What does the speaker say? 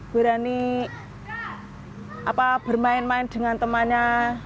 berani bermain main dengan temannya